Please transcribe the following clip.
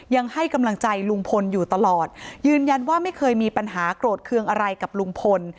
ยังให้กำลังใจลุงพลอยู่ตลอดยืนยันว่าไม่เคยมีปัญหาโกรธเคืองอะไรกับลุงพล